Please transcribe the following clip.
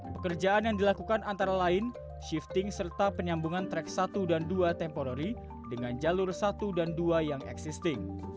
pekerjaan yang dilakukan antara lain shifting serta penyambungan track satu dan dua temporary dengan jalur satu dan dua yang existing